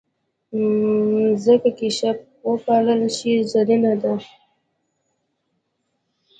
مځکه که ښه وپالل شي، زرینه ده.